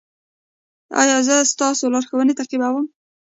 ایا زه ستاسو لارښوونې تعقیبوم؟